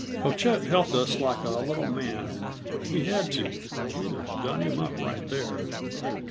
Pochette helped us like a little man he had to, or we'd have done him up right there.